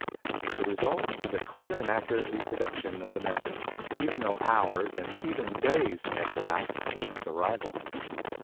The result is a clear and accurate reproduction of the message, even though hours and even days may have elapsed since its arrival.